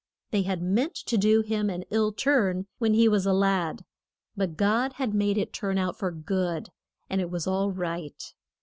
They had meant to do him an ill turn when he was a lad, but God had made it turn out for good, and it was all right.